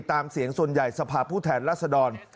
ตามเสียงส่วนใหญ่สภาพผู้แทนรัศดร